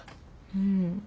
うん。